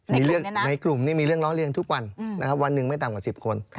มีเรื่องในกลุ่มนี้มีเรื่องล้อเลียงทุกวันนะครับวันหนึ่งไม่ต่ำกว่า๑๐คน